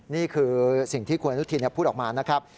นี่คือสิ่งที่คุณอนุทินพูดออกมานะครับ